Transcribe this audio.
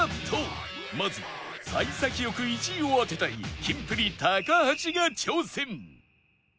まずは幸先良く１位を当てたいキンプリ橋が挑戦